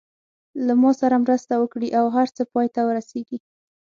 له ما سره مرسته وکړي او هر څه پای ته ورسېږي.